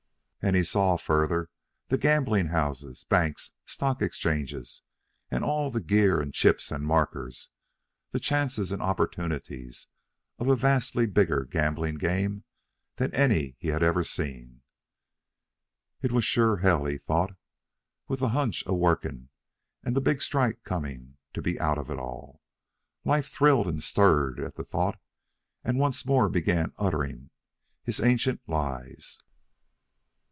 And he saw, further, the gambling houses, banks, stock exchanges, and all the gear and chips and markers, the chances and opportunities, of a vastly bigger gambling game than any he had ever seen. It was sure hell, he thought, with the hunch a working and that big strike coming, to be out of it all. Life thrilled and stirred at the thought and once more began uttering his ancient lies.